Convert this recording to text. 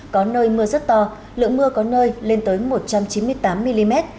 có nơi mưa rất to lượng mưa có nơi lên tới một trăm chín mươi tám mm